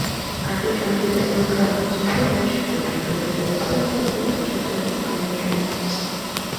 Additionally, the aircraft was too large to be operated profitably for shorter range routes.